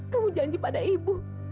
kamu janji pada ibu